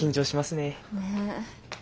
ねえ。